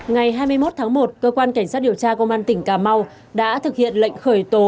ngày hai mươi một tháng một cơ quan cảnh sát điều tra công an tỉnh cà mau đã thực hiện lệnh khởi tố